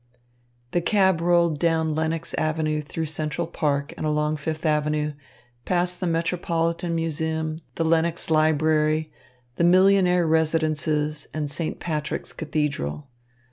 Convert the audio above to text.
The cab rolled down Lenox Avenue through Central Park and along Fifth Avenue, past the Metropolitan Museum, the Lenox Library, the millionaire residences, and St. Patrick's Cathedral.